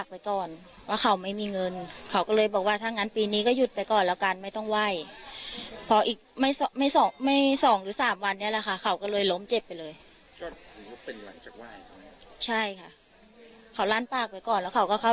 เป็นหลังจากไหว้ใช่ค่ะเขาลั่นปากไปก่อนแล้วเขาก็เข้า